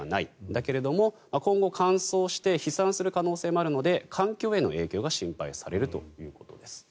だけれども今後、乾燥して飛散する可能性もあるので環境への影響が心配されるということです。